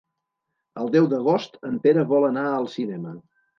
El deu d'agost en Pere vol anar al cinema.